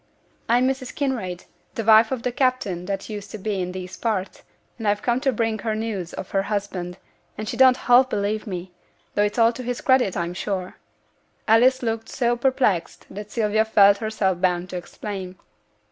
'I'm Mrs. Kinraid, the wife of the captain that used to be in these parts, and I'm come to bring her news of her husband, and she don't half believe me, though it's all to his credit, I'm sure.' Alice looked so perplexed that Sylvia felt herself bound to explain.